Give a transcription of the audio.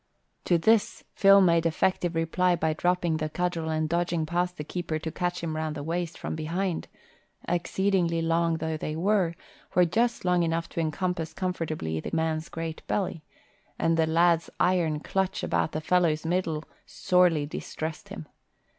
To this, Phil made effective reply by dropping the cudgel and dodging past the keeper to catch him round the waist from behind (for his arms, exceeding long though they were, were just long enough to encompass comfortably the man's great belly), and the lad's iron clutch about the fellow's middle sorely distressed him.